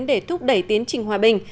để thúc đẩy tiến trình hòa bình